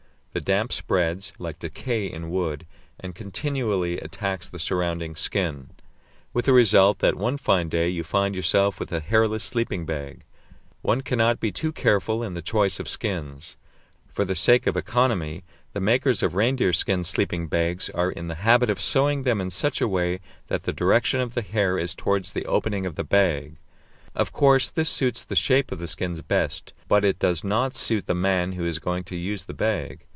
The damp spreads, like decay in wood, and continually attacks the surrounding skin, with the result that one fine day you find yourself with a hairless sleeping bag. One cannot be too careful in the choice of skins. For the sake of economy, the makers of reindeer skin sleeping bags are in the habit of sewing them in such a way that the direction of the hair is towards the opening of the bag. Of course this suits the shape of the skins best, but it does not suit the man who is going to use the bag.